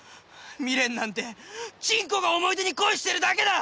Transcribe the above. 未練なんてちんこが思い出に恋してるだけだ